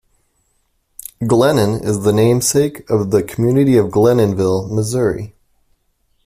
Glennon is the namesake of the community of Glennonville, Missouri.